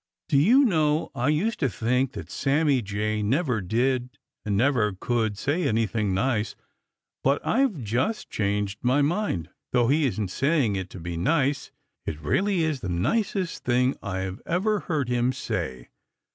"Do you know, I used to think that Sammy Jay never did and never could say anything nice, but I've just changed my mind. Though he isn't saying it to be nice, it really is the nicest thing I've ever heard him say.